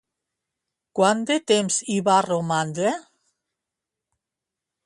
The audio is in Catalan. Quant de temps hi va romandre?